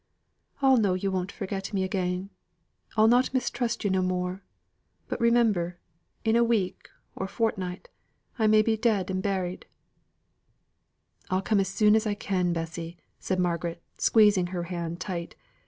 "I'll know yo' won't forget me again. I'll not mistrust yo' no more. But remember, in a week or a fortnight I may be dead and buried!" "I'll come again as soon as I can, Bessy," said Margaret, squeezing her hand tight.